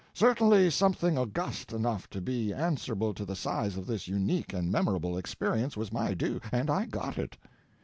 Certainly something august enough to be answerable to the size of this unique and memorable experience was my due, and I got it.